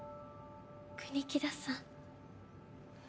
国木田さん。